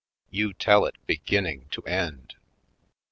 You tell it beginning to end!"